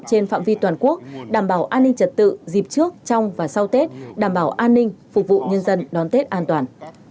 trên phạm vi toàn quốc đảm bảo an ninh trật tự dịp trước trong và sau tết đảm bảo an ninh phục vụ nhân dân đón tết an toàn